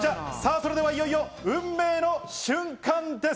それではいよいよ運命の瞬間です。